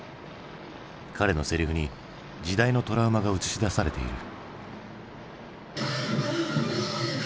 彼のセリフに時代のトラウマが映し出されている。